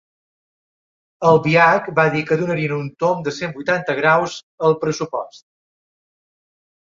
Albiach va dir que donarien un tomb de cent vuitanta graus al pressupost.